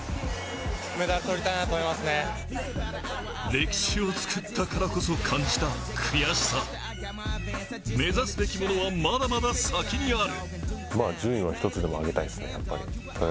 歴史を作ったからこそ感じた悔しさ、目指すべきものは、まだまだ先にある。